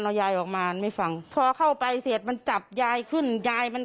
เอายายออกมาไม่ฟังพอเข้าไปเสร็จมันจับยายขึ้นยายมัน